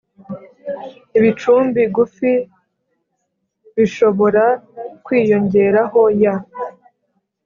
Ibicumbi gufi bishobora kwiyongeraho ya